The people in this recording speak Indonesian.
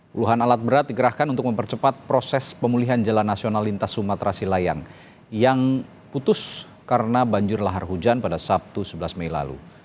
puluhan alat berat dikerahkan untuk mempercepat proses pemulihan jalan nasional lintas sumatera silayang yang putus karena banjir lahar hujan pada sabtu sebelas mei lalu